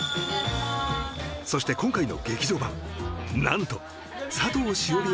そして今回の劇場版何と佐藤栞里